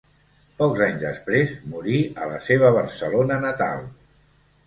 Pocs anys després, morí a la seva Barcelona natal.